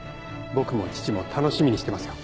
僕も父も楽しみにしてますよ。